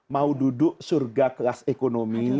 mau duduk surga kelas ekonomi